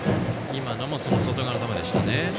今のも外側の球でしたね。